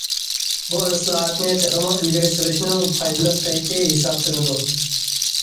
بۇ، ئىسلاھاتنى تېخىمۇ ئىلگىرى سۈرۈشنىڭ پايدىلىق پەيتى ھېسابلىنىدۇ.